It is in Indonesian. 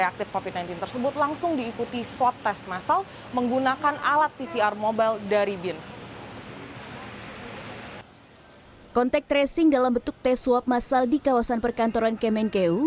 kontek tracing dalam bentuk tes swab masal di kawasan perkantoran kemenkeu